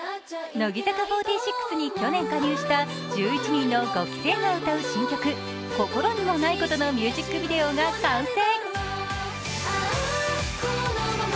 乃木坂４６に去年加入した１１人の５期生が歌う新曲「心にもないこと」のミュージックビデオが完成。